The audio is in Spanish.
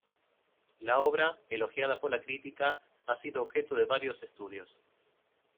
La obra, elogiada por la crítica, ha sido objeto de varios estudios.